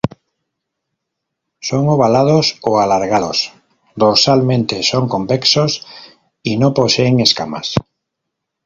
Son ovalados o alargados, dorsalmente son convexos, y no poseen escamas.